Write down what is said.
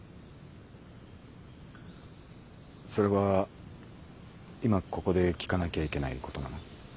それは今ここで聞かなきゃいけないことなの？